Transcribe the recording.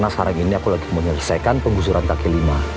sekarang ini aku lagi menyelesaikan penggusuran kaki lima